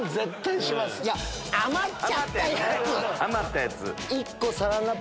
余ったやつ。